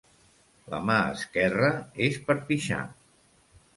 La mà esquerra és per pixar.